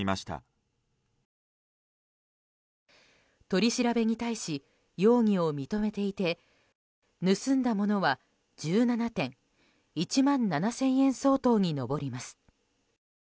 取り調べに対し容疑を認めていて盗んだものは１７点１万７０００円相当に上ります。